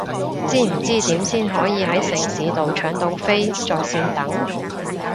知唔知點先可以係城市到搶到飛在線等？